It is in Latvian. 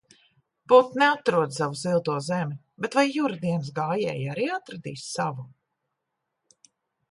Putni atrod savu silto zemi, bet vai Jura dienas gājēji arī atradīs savu?